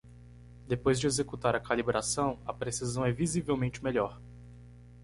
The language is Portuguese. Depois de executar a calibração?, a precisão é visivelmente melhor.